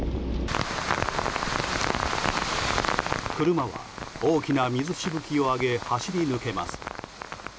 車は大きな水しぶきを上げ走り抜けます。